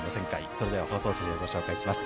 それでは放送席をご紹介します。